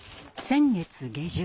先月下旬。